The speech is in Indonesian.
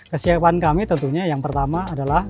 kesiapan kami tentunya yang pertama adalah